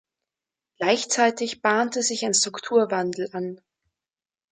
Gleichzeitig bahnte sich ein Strukturwandel an.